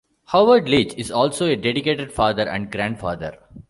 Howard Leach is also a dedicated father and grandfather.